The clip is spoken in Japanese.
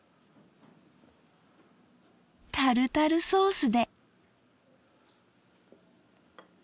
タルタルソースで。